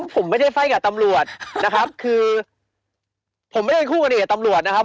ผมไม่ได้ไฟ่กับตำรวจนะครับคือผมไม่ได้เป็นคู่กรณีกับตำรวจนะครับ